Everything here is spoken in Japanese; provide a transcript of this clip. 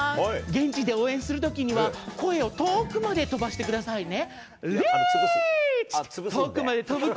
現地で応援するときには、声を遠くまで飛ばしてくださいね。